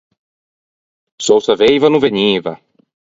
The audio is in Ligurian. Se ô saveiva no vegniva.